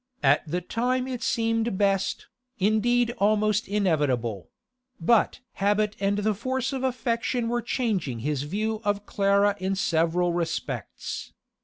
At the time it seemed best, indeed almost inevitable; but habit and the force of affection were changing his view of Clara in several respects.